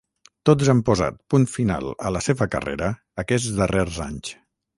Tots han posat punt final a la seva carrera aquests darrers anys.